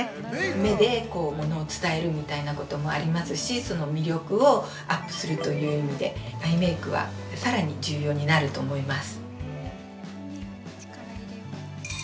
目でものを伝えるみたいなこともありますし、魅力をアップするという意味で、アイメイクは、さらに重要になると思います。